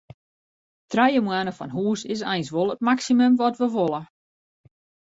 Trije moanne fan hûs is eins wol it maksimum wat wy wolle.